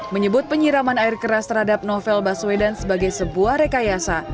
menyebut penyiraman air keras terhadap novel baswedan sebagai sebuah rekayasa